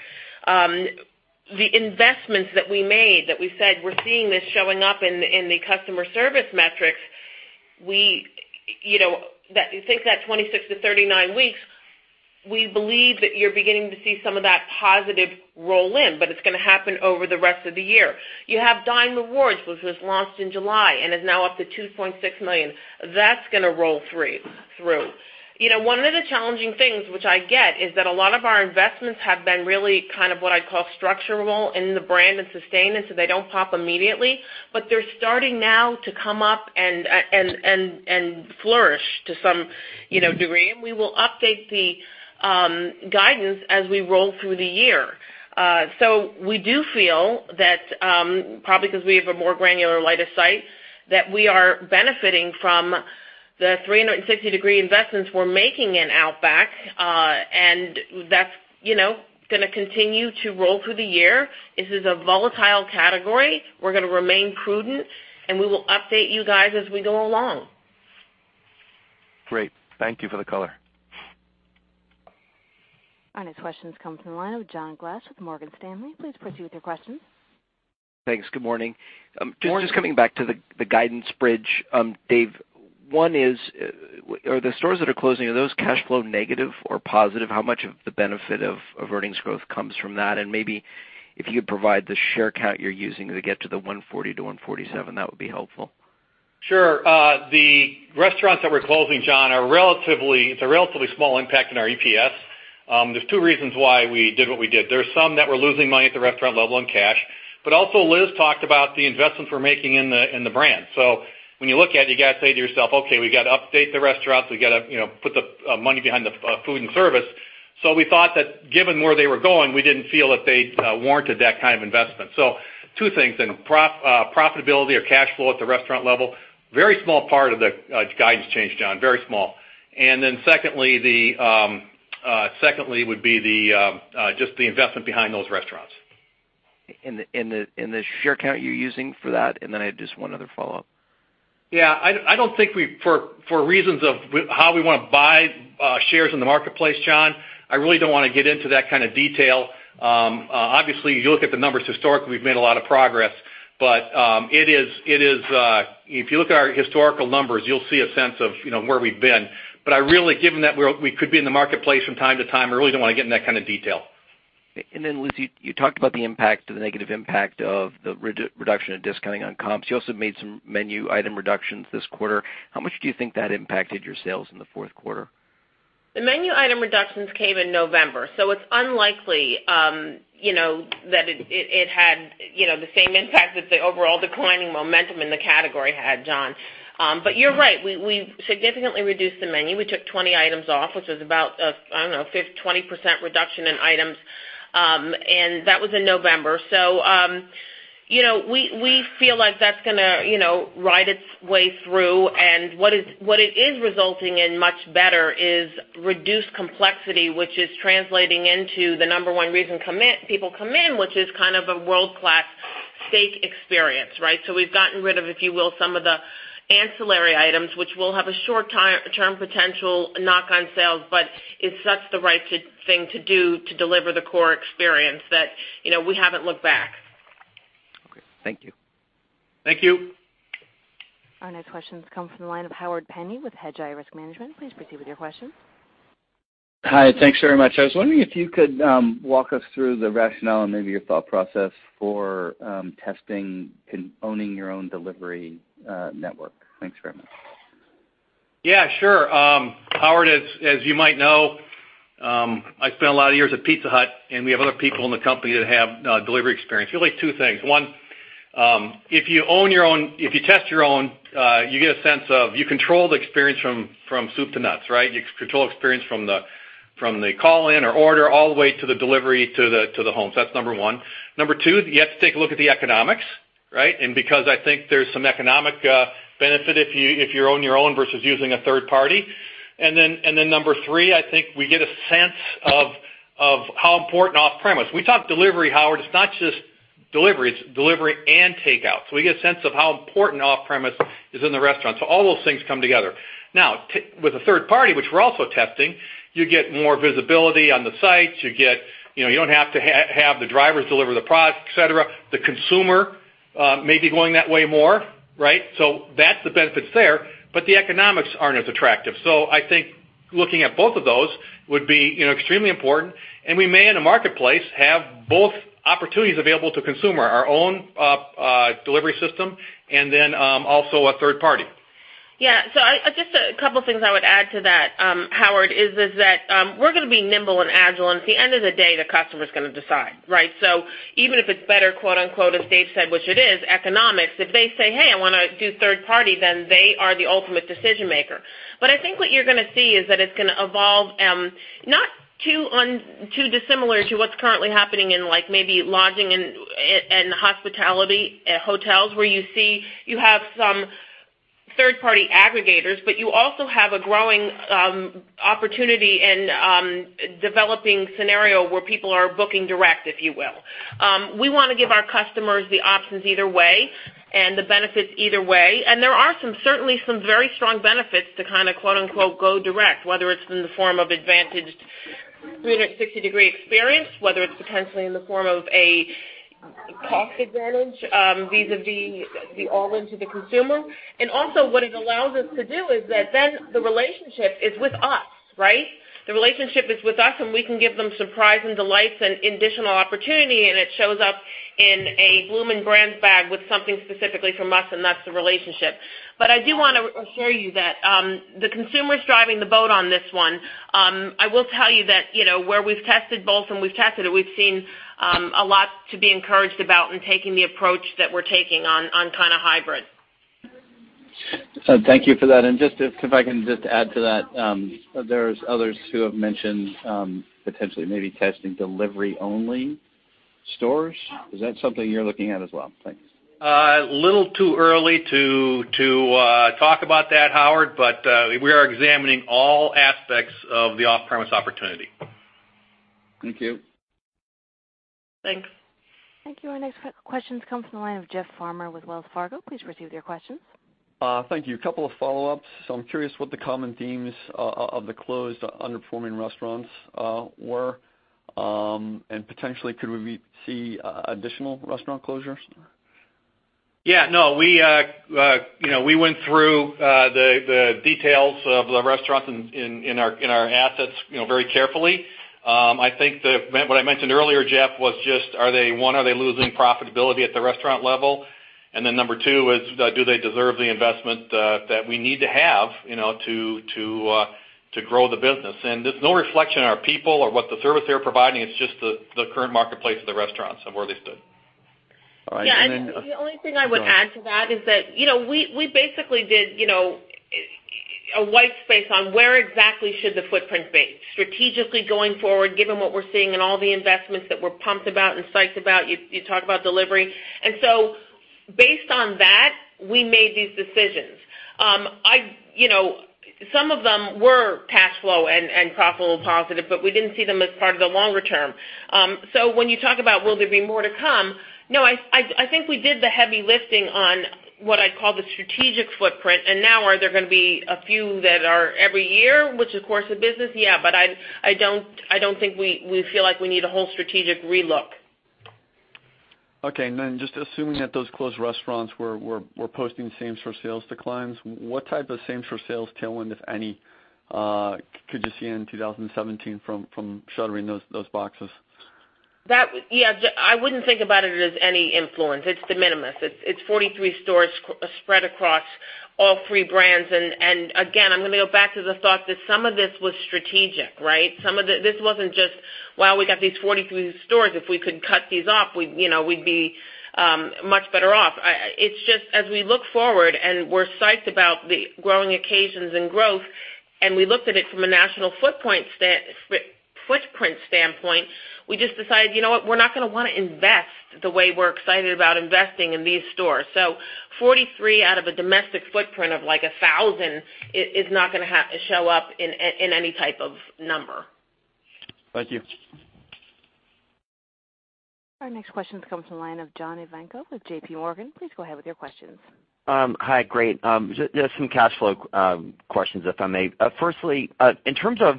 The investments that we made, that we said we're seeing this showing up in the customer service metrics, take that 26-39 weeks, we believe that you're beginning to see some of that positive roll in, but it's going to happen over the rest of the year. You have Dine Rewards, which was launched in July and is now up to 2.6 million. That's going to roll through. One of the challenging things, which I get, is that a lot of our investments have been really kind of what I'd call structural in the brand and sustain, they don't pop immediately, but they're starting now to come up and flourish to some degree. We will update the guidance as we roll through the year. We do feel that probably because we have a more granular line of sight, that we are benefiting from the 360-degree investments we're making in Outback, and that's going to continue to roll through the year. This is a volatile category. We're going to remain prudent, and we will update you guys as we go along. Great. Thank you for the color. Our next question comes from the line of John Glass with Morgan Stanley. Please proceed with your question. Thanks. Good morning. Good morning. Just coming back to the guidance bridge, Dave. Are the stores that are closing, are those cash flow negative or positive? How much of the benefit of earnings growth comes from that? Maybe if you could provide the share count you're using to get to the $1.40-$1.47, that would be helpful. Sure. The restaurants that we're closing, John, it's a relatively small impact on our EPS. There's two reasons why we did what we did. There's some that were losing money at the restaurant level in cash, but also Liz talked about the investments we're making in the brand. When you look at it, you got to say to yourself, "Okay, we got to update the restaurants. We got to put the money behind the food and service." We thought that given where they were going, we didn't feel that they warranted that kind of investment. Two things. Profitability or cash flow at the restaurant level, very small part of the guidance change, John, very small. Then secondly would be just the investment behind those restaurants. The share count you're using for that, then I had just one other follow-up. Yeah. I don't think for reasons of how we want to buy shares in the marketplace, John, I really don't want to get into that kind of detail. Obviously, you look at the numbers historically, we've made a lot of progress. If you look at our historical numbers, you'll see a sense of where we've been. Given that we could be in the marketplace from time to time, I really don't want to get into that kind of detail. Liz Smith, you talked about the negative impact of the reduction in discounting on comps. You also made some menu item reductions this quarter. How much do you think that impacted your sales in the fourth quarter? The menu item reductions came in November, so it's unlikely that it had the same impact as the overall declining momentum in the category had, John. You're right. We significantly reduced the menu. We took 20 items off, which was about, I don't know, a 20% reduction in items. That was in November. We feel like that's going to ride its way through, and what it is resulting in much better is reduced complexity, which is translating into the number 1 reason people come in, which is kind of a world-class steak experience, right? We've gotten rid of, if you will, some of the ancillary items, which will have a short-term potential knock on sales, but it sets the right thing to do to deliver the core experience that we haven't looked back. Okay. Thank you. Thank you. Our next question comes from the line of Howard Penney with Hedgeye Risk Management. Please proceed with your question. Hi. Thanks very much. I was wondering if you could walk us through the rationale and maybe your thought process for testing and owning your own delivery network. Thanks very much. Yeah, sure. Howard, as you might know, I spent a lot of years at Pizza Hut, and we have other people in the company that have delivery experience. Really two things. One, if you test your own, you get a sense of you control the experience from soup to nuts, right? You control the experience from the call-in or order all the way to the delivery to the home. That's number one. Number two, you have to take a look at the economics, right? Because I think there's some economic benefit if you own your own versus using a third party. Then number three, I think we get a sense of how important off-premise. We talk delivery, Howard, it's not just delivery, it's delivery and takeout. We get a sense of how important off-premise is in the restaurant. All those things come together. With a third party, which we're also testing, you get more visibility on the sites. You don't have to have the drivers deliver the product, et cetera. The consumer may be going that way more, right? That's the benefits there, but the economics aren't as attractive. I think looking at both of those would be extremely important, and we may, in the marketplace, have both opportunities available to consumer, our own delivery system and then also a third party. Yeah. Just a couple of things I would add to that, Howard, is that we're going to be nimble and agile, and at the end of the day, the customer's going to decide, right? Even if it's better, quote unquote, as Dave Deno said, which it is, economics, if they say, "Hey, I want to do third party," then they are the ultimate decision-maker. I think what you're going to see is that it's going to evolve not too dissimilar to what's currently happening in maybe lodging and hospitality hotels, where you see you have some third party aggregators, but you also have a growing opportunity and developing scenario where people are booking direct, if you will. We want to give our customers the options either way and the benefits either way, there are certainly some very strong benefits to kind of quote unquote, "Go direct," whether it's in the form of advantaged 360 degree experience, whether it's potentially in the form of a cost advantage vis-à-vis the all into the consumer. Also what it allows us to do is that then the relationship is with us, right? The relationship is with us, and we can give them surprise and delights and additional opportunity, and it shows up in a Bloomin' Brands bag with something specifically from us, and that's the relationship. I do want to assure you that the consumer's driving the boat on this one. I will tell you that where we've tested both, and we've tested it, we've seen a lot to be encouraged about in taking the approach that we're taking on kind of hybrid. Thank you for that. If I can just add to that, there's others who have mentioned potentially maybe testing delivery-only stores. Is that something you're looking at as well? Thanks. A little too early to talk about that, Howard, we are examining all aspects of the off-premise opportunity. Thank you. Thanks. Thank you. Our next question comes from the line of Jeff Farmer with Wells Fargo. Please proceed with your questions. Thank you. A couple of follow-ups. I'm curious what the common themes of the closed underperforming restaurants were, and potentially could we see additional restaurant closures? Yeah, no. We went through the details of the restaurants in our assets very carefully. I think what I mentioned earlier, Jeff, was just one, are they losing profitability at the restaurant level? Number two is, do they deserve the investment that we need to have to grow the business? There's no reflection on our people or what the service they're providing, it's just the current marketplace of the restaurants and where they stood. All right. Yeah, the only thing I would add to that is that we basically did a white space on where exactly should the footprint be strategically going forward, given what we're seeing and all the investments that we're pumped about and psyched about. You talk about delivery. Based on that, we made these decisions. Some of them were cash flow and profitable positive, we didn't see them as part of the longer term. When you talk about will there be more to come? No, I think we did the heavy lifting on what I'd call the strategic footprint. Now are there going to be a few that are every year, which of course is business? Yeah, I don't think we feel like we need a whole strategic relook. Okay. Just assuming that those closed restaurants were posting same-store sales declines, what type of same-store sales tailwind, if any, could you see in 2017 from shuttering those boxes? Yeah. I wouldn't think about it as any influence. It's de minimis. It's 43 stores spread across all three brands. Again, I'm going to go back to the thought that some of this was strategic, right? This wasn't just, "Wow, we got these 43 stores. If we could cut these off we'd be much better off." It's just as we look forward and we're psyched about the growing occasions and growth, and we looked at it from a national footprint standpoint, we just decided, you know what? We're not going to want to invest the way we're excited about investing in these stores. So 43 out of a domestic footprint of 1,000 is not going to show up in any type of number. Thank you. Our next question comes from the line of John Ivankoe with JPMorgan. Please go ahead with your questions. Hi. Great. Just some cash flow questions, if I may. Firstly, in terms of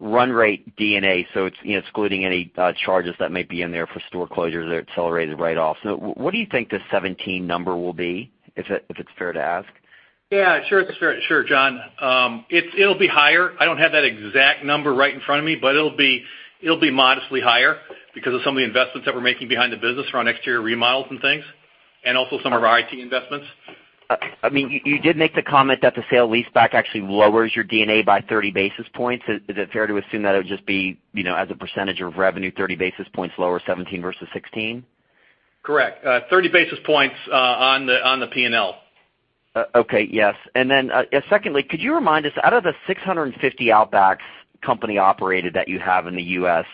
run rate D&A, so it's excluding any charges that might be in there for store closures or accelerated write-offs. What do you think the 2017 number will be, if it's fair to ask? Yeah, sure. Sure, John. It'll be higher. I don't have that exact number right in front of me, but it'll be modestly higher because of some of the investments that we're making behind the business around exterior remodels and things, and also some of our IT investments. You did make the comment that the sale-lease-back actually lowers your D&A by 30 basis points. Is it fair to assume that it would just be as a percentage of revenue, 30 basis points lower 2017 versus 2016? Correct. 30 basis points on the P&L. Okay. Yes. Secondly, could you remind us out of the 650 Outback Steakhouse company operated that you have in the U.S.,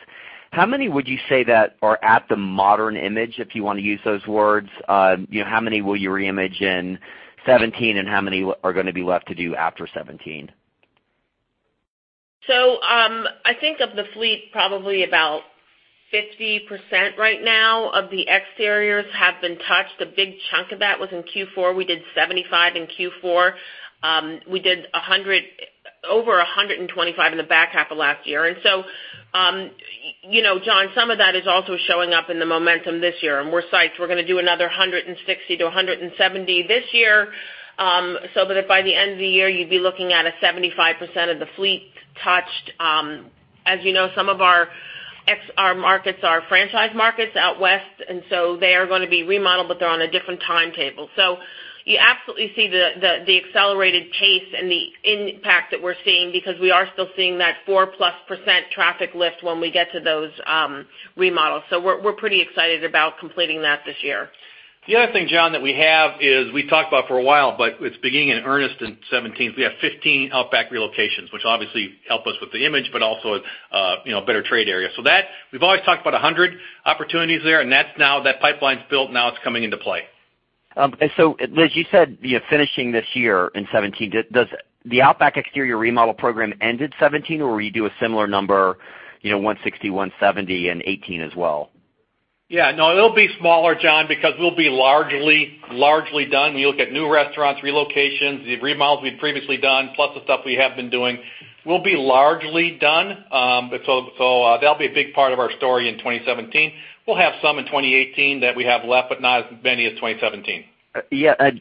how many would you say that are at the modern image, if you want to use those words? How many will you re-image in 2017 and how many are going to be left to do after 2017? I think of the fleet, probably about 50% right now of the exteriors have been touched. A big chunk of that was in Q4. We did 75 in Q4. We did over 125 in the back half of last year. John, some of that is also showing up in the momentum this year, and we're psyched. We're going to do another 160 to 170 this year. That by the end of the year, you'd be looking at a 75% of the fleet touched. As you know, some of our markets are franchise markets out west, and so they are going to be remodeled, but they're on a different timetable. You absolutely see the accelerated pace and the impact that we're seeing because we are still seeing that 4 plus percent traffic lift when we get to those remodels. We're pretty excited about completing that this year. The other thing, John, that we have is we've talked about for a while, but it's beginning in earnest in 2017. We have 15 Outback Steakhouse relocations, which obviously help us with the image, but also a better trade area. We've always talked about 100 opportunities there. That pipeline's built, now it's coming into play. Liz, you said you're finishing this year in 2017. Does the Outback exterior remodel program end in 2017, or will you do a similar number, 160, 170, in 2018 as well? No, it'll be smaller, John, because we'll be largely done. When you look at new restaurants, relocations, the remodels we've previously done, plus the stuff we have been doing, we'll be largely done. That'll be a big part of our story in 2017. We'll have some in 2018 that we have left, but not as many as 2017.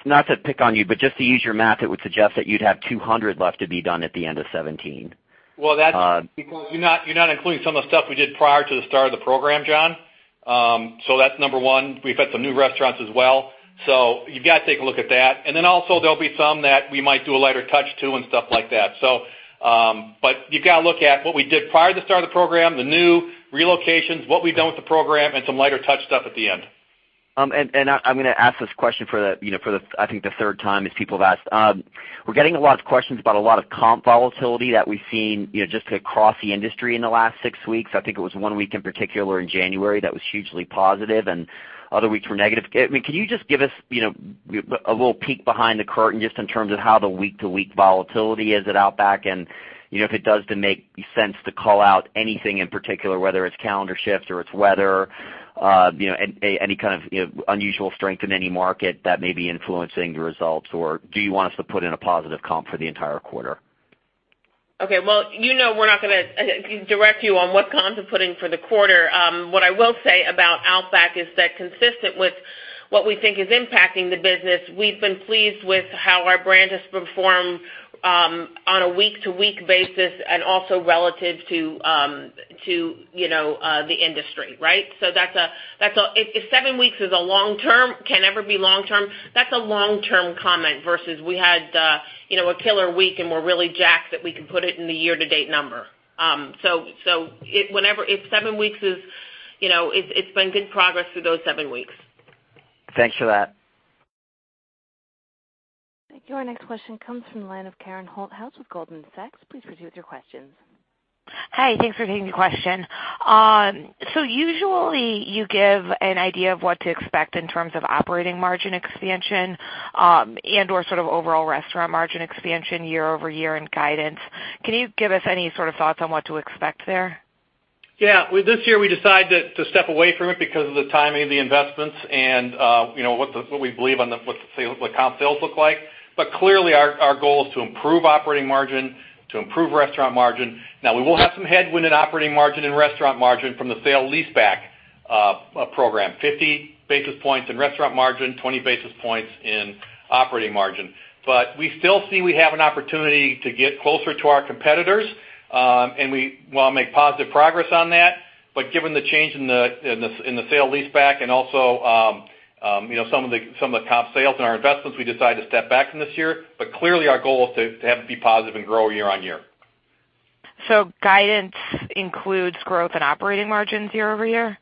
Not to pick on you, but just to use your math, it would suggest that you'd have 200 left to be done at the end of 2017. Because you're not including some of the stuff we did prior to the start of the program, John. That's number 1. We've had some new restaurants as well, so you've got to take a look at that. Also there'll be some that we might do a lighter touch to and stuff like that. You've got to look at what we did prior to the start of the program, the new relocations, what we've done with the program, and some lighter touch stuff at the end. I'm going to ask this question for I think the third time as people have asked. We're getting a lot of questions about a lot of comp volatility that we've seen just across the industry in the last six weeks. I think it was one week in particular in January that was hugely positive and other weeks were negative. Can you just give us a little peek behind the curtain just in terms of how the week-to-week volatility is at Outback, and if it does then make sense to call out anything in particular, whether it's calendar shifts or it's weather, any kind of unusual strength in any market that may be influencing the results, or do you want us to put in a positive comp for the entire quarter? Okay. Well, you know we're not going to direct you on what comps we're putting for the quarter. What I will say about Outback is that consistent with what we think is impacting the business, we've been pleased with how our brand has performed on a week-to-week basis and also relative to the industry, right? If seven weeks can ever be long term, that's a long term comment versus we had a killer week and we're really jacked that we can put it in the year to date number. If seven weeks, it's been good progress through those seven weeks. Thanks for that. Thank you. Our next question comes from the line of Karen Holthouse with Goldman Sachs. Please proceed with your questions. Hi. Thanks for taking the question. Usually you give an idea of what to expect in terms of operating margin expansion, and/or sort of overall restaurant margin expansion year-over-year in guidance. Can you give us any sort of thoughts on what to expect there? Yeah. This year, we decided to step away from it because of the timing of the investments and what we believe on what the comp sales look like. Clearly our goal is to improve operating margin, to improve restaurant margin. Now, we will have some headwind in operating margin and restaurant margin from the sale leaseback program, 50 basis points in restaurant margin, 20 basis points in operating margin. We still see we have an opportunity to get closer to our competitors, and we want to make positive progress on that. Given the change in the sale leaseback and also some of the comp sales in our investments, we decided to step back from this year. Clearly our goal is to have it be positive and grow year-on-year. Guidance includes growth in operating margins year-over-year?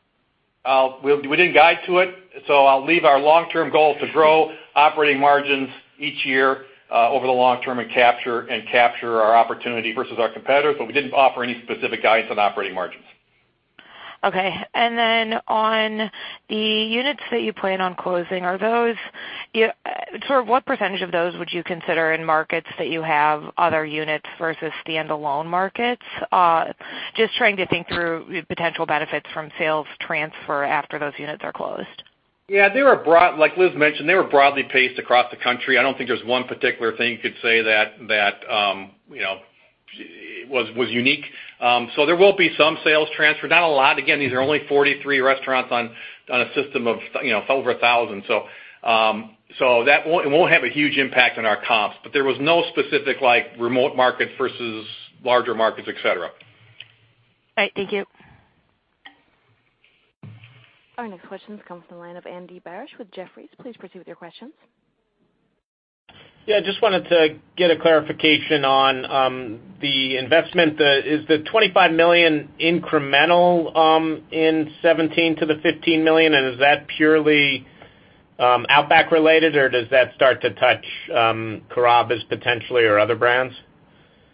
We didn't guide to it. I'll leave our long-term goal to grow operating margins each year, over the long term and capture our opportunity versus our competitors. We didn't offer any specific guidance on operating margins. Okay. On the units that you plan on closing, what % of those would you consider in markets that you have other units versus standalone markets? Just trying to think through potential benefits from sales transfer after those units are closed. Yeah, like Liz mentioned, they were broadly paced across the country. I don't think there's one particular thing you could say that was unique. There will be some sales transfer, not a lot. Again, these are only 43 restaurants on a system of over 1,000. It won't have a huge impact on our comps, but there was no specific like remote markets versus larger markets, et cetera. All right. Thank you. Our next question comes from the line of Andy Barish with Jefferies. Please proceed with your questions. Yeah, just wanted to get a clarification on the investment. Is the $25 million incremental in 2017 to the $15 million, and is that purely Outback related, or does that start to touch Carrabba's potentially or other brands?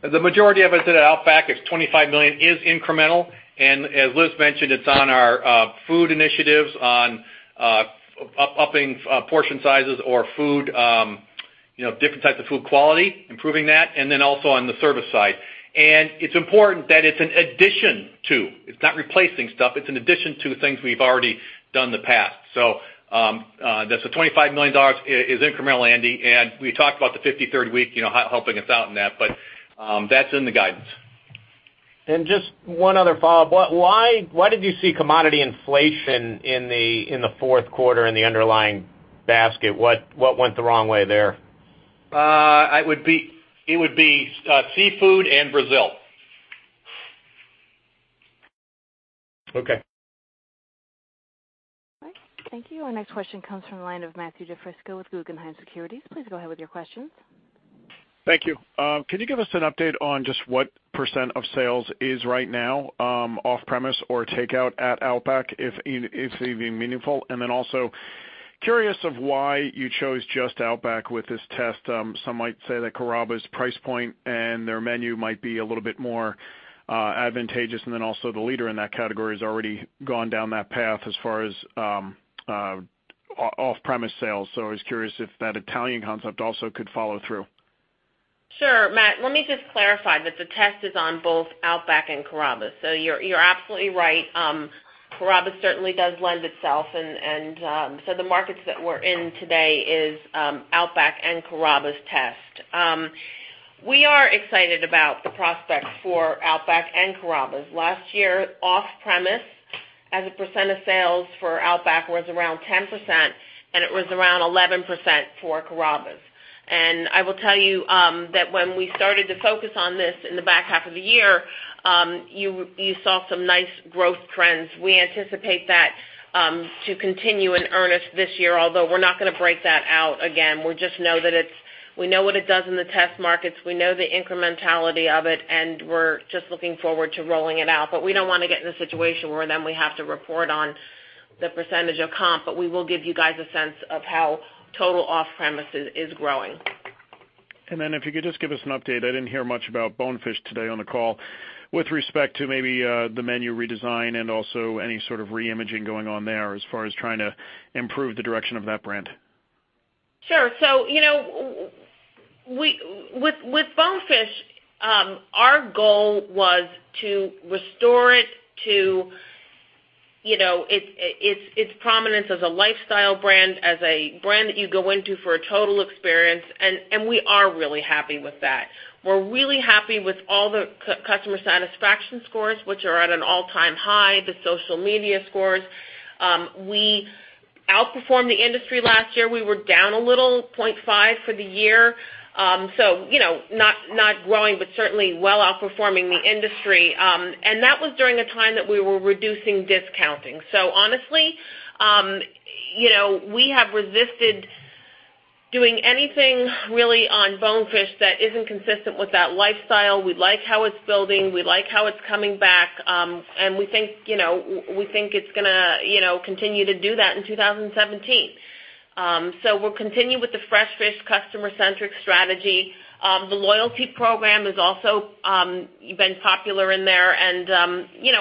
The majority of it's at Outback. Its $25 million is incremental, as Liz mentioned, it's on our food initiatives, on upping portion sizes or different types of food quality, improving that, and then also on the service side. It's important that it's an addition to. It's not replacing stuff. It's an addition to things we've already done in the past. That $25 million is incremental, Andy, and we talked about the 53rd week helping us out in that. That's in the guidance. Just one other follow-up. Why did you see commodity inflation in the fourth quarter in the underlying basket? What went the wrong way there? It would be seafood and Brazil. Okay. All right. Thank you. Our next question comes from the line of Matthew DiFrisco with Guggenheim Securities. Please go ahead with your questions. Thank you. Can you give us an update on just what % of sales is right now off-premise or takeout at Outback, if it's even meaningful? Also curious of why you chose just Outback with this test. Some might say that Carrabba's price point and their menu might be a little bit more advantageous. Also the leader in that category has already gone down that path as far as off-premise sales. I was curious if that Italian concept also could follow through. Sure, Matt. Let me just clarify that the test is on both Outback and Carrabba's. You're absolutely right. Carrabba's certainly does lend itself, the markets that we're in today is Outback and Carrabba's test. We are excited about the prospects for Outback and Carrabba's. Last year, off-premise as a % of sales for Outback was around 10%, and it was around 11% for Carrabba's. I will tell you that when we started to focus on this in the back half of the year, you saw some nice growth trends. We anticipate that to continue in earnest this year, although we're not going to break that out again. We know what it does in the test markets, we know the incrementality of it, we're just looking forward to rolling it out. We don't want to get in a situation where then we have to report on the % of comp, we will give you guys a sense of how total off-premises is growing. If you could just give us an update, I didn't hear much about Bonefish today on the call, with respect to maybe the menu redesign and also any sort of re-imaging going on there as far as trying to improve the direction of that brand. Sure. With Bonefish, our goal was to restore it to its prominence as a lifestyle brand, as a brand that you go into for a total experience, we are really happy with that. We're really happy with all the customer satisfaction scores, which are at an all-time high, the social media scores. We outperformed the industry last year. We were down a little, 0.5% for the year. Not growing, but certainly well outperforming the industry. That was during a time that we were reducing discounting. Honestly, we have resisted doing anything really on Bonefish that isn't consistent with that lifestyle. We like how it's building, we like how it's coming back, we think it's going to continue to do that in 2017. We'll continue with the Fresh Fish customer-centric strategy. The loyalty program has also been popular in there,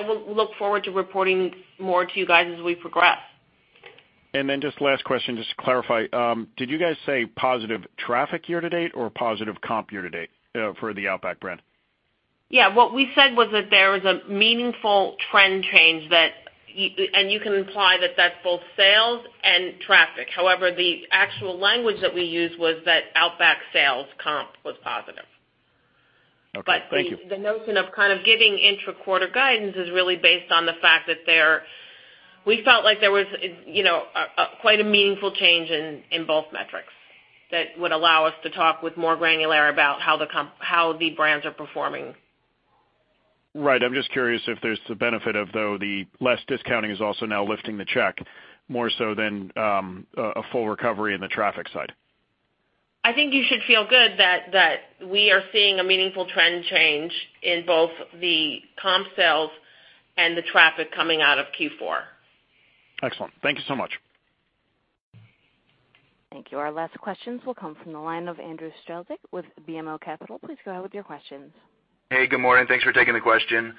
we'll look forward to reporting more to you guys as we progress. Just last question, just to clarify, did you guys say positive traffic year-to-date or positive comp year-to-date for the Outback brand? Yeah. What we said was that there was a meaningful trend change. You can imply that that's both sales and traffic. However, the actual language that we used was that Outback sales comp was positive. Okay. Thank you. The notion of kind of giving intra-quarter guidance is really based on the fact that we felt like there was quite a meaningful change in both metrics that would allow us to talk with more granularity about how the brands are performing. Right. I'm just curious if there's the benefit of, though, the less discounting is also now lifting the check more so than a full recovery in the traffic side. I think you should feel good that we are seeing a meaningful trend change in both the comp sales and the traffic coming out of Q4. Excellent. Thank you so much. Thank you. Our last questions will come from the line of Andrew Strelzik with BMO Capital Markets. Please go ahead with your questions. Hey, good morning. Thanks for taking the question.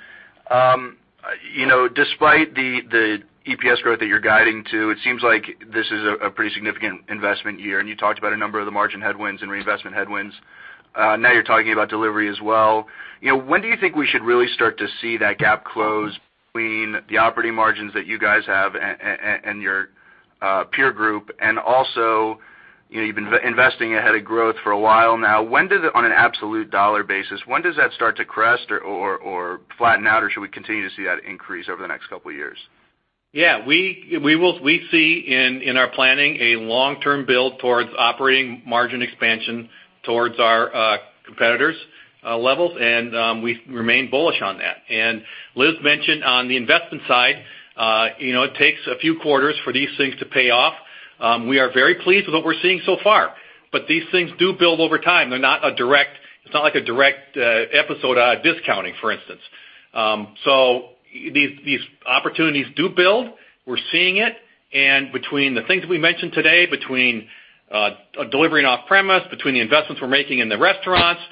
Despite the EPS growth that you're guiding to, it seems like this is a pretty significant investment year, and you talked about a number of the margin headwinds and reinvestment headwinds. Now you're talking about delivery as well. When do you think we should really start to see that gap close between the operating margins that you guys have and your peer group? And also, you've been investing ahead of growth for a while now. On an absolute dollar basis, when does that start to crest or flatten out, or should we continue to see that increase over the next couple of years? Yeah. We see in our planning a long-term build towards operating margin expansion towards our competitors' levels, and we remain bullish on that. Liz mentioned on the investment side, it takes a few quarters for these things to pay off. We are very pleased with what we're seeing so far, but these things do build over time. It's not like a direct episode out of discounting, for instance. These opportunities do build. We're seeing it, between the things we mentioned today, between delivering off-premise, between the investments we're making in the restaurants.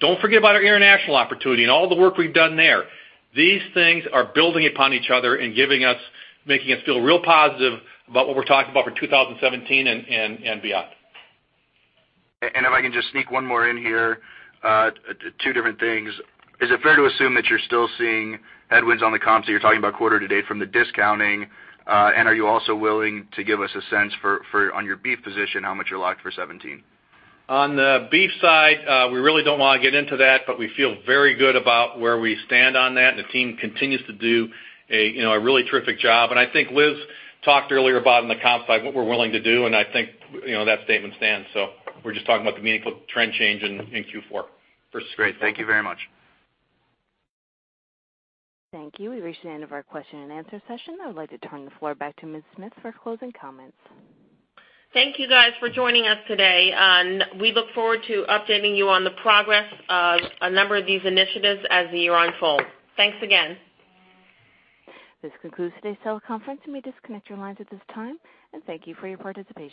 Don't forget about our international opportunity and all the work we've done there. These things are building upon each other and making us feel real positive about what we're talking about for 2017 and beyond. If I can just sneak one more in here, two different things. Is it fair to assume that you're still seeing headwinds on the comps that you're talking about quarter-to-date from the discounting? Are you also willing to give us a sense for on your beef position how much you're locked for 2017? On the beef side, we really don't want to get into that, but we feel very good about where we stand on that. The team continues to do a really terrific job. I think Liz talked earlier about on the comp side what we're willing to do. I think that statement stands. We're just talking about the meaningful trend change in Q4. Great. Thank you very much. Thank you. We've reached the end of our question and answer session. I would like to turn the floor back to Ms. Smith for closing comments. Thank you guys for joining us today. We look forward to updating you on the progress of a number of these initiatives as the year unfolds. Thanks again. This concludes today's teleconference. You may disconnect your lines at this time, and thank you for your participation.